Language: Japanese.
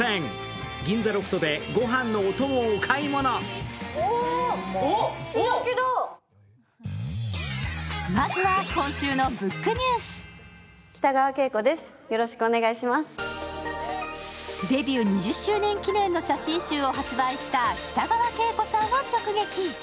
キユーピーマヨネーズデビュー２０周年記念の写真集を発売した北川景子さんを直撃。